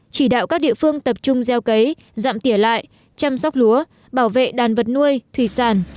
chỉ đạo các địa phương tập trung gieo cấy giảm tiể lại chăm sóc lúa bảo vệ đàn vật nuôi thủy sản